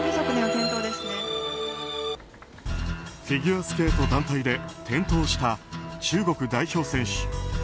フィギュアスケート団体で転倒した中国代表選手。